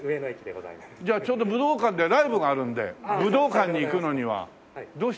じゃあちょうど武道館でライブがあるので武道館に行くのにはどうしたらいいでしょう。